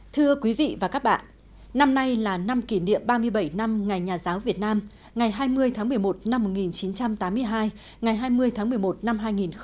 thưa quý vị và các bạn năm nay là năm kỷ niệm ba mươi bảy năm ngày nhà giáo việt nam ngày hai mươi tháng một mươi một năm một nghìn chín trăm tám mươi hai ngày hai mươi tháng một mươi một năm hai nghìn một mươi chín